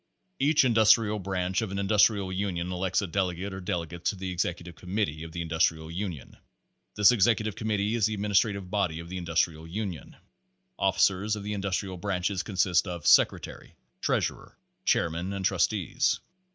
Each Industrial Branch of an Industrial Union elects a delegate or delegates to the Executive Committee of the Industrial Union. This Executive Committee is the administrative body of the Industrial Union. Officers of the Industrial Branches consist of secretary, treas urer, chairman and trustees.